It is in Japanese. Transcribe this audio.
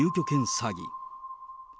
詐欺。